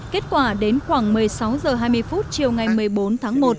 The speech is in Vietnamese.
kết quả đến khoảng một mươi sáu h hai mươi chiều ngày một mươi bốn tháng một